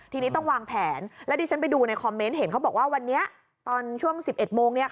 ทีนี้ต้องวางแผนแล้วดิฉันไปดูในคอมเมนต์เห็นเขาบอกว่าวันนี้ตอนช่วง๑๑โมง